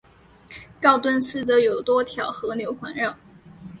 高墩四周有多条河流环绕。